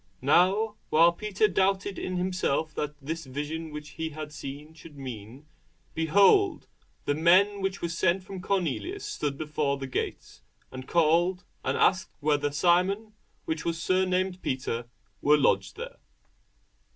Now while Peter doubted in himself what this vision which he had seen should mean, behold, the men which were sent from Cornelius stood before the gate, and called, and asked whether Simon, which was surnamed Peter, were lodged there.